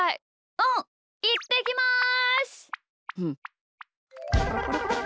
うんいってきます！